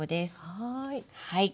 はい。